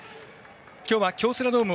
今日は京セラドーム